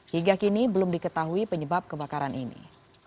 hingga kini belum diketahui penyebab kebakaran ini